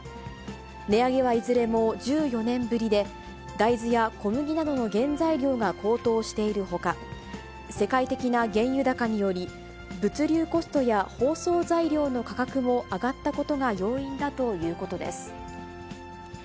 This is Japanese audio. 値上げはいずれも１４年ぶりで、大豆や小麦などの原材料が高騰しているほか、世界的な原油高により、物流コストや包装材料の価格も上がったことが要因だということです。